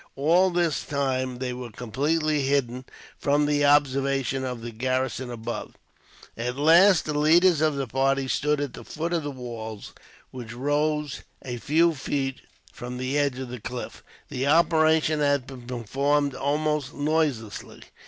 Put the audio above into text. All this time, they were completely hidden from the observation of the garrison, above. At last, the leaders of the party stood at the foot of the walls, which rose a few feet from the edge of the cliff. The operation had been performed almost noiselessly.